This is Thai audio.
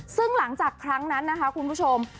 ซึ่งหลังจากครั้งนั้นนะคะคุณผู้ชม